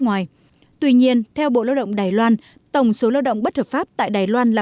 ngoài tuy nhiên theo bộ lao động đài loan tổng số lao động bất hợp pháp tại đài loan là